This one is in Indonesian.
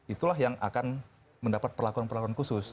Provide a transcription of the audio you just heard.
itulah yang akan mendapat perlakuan perlakuan khusus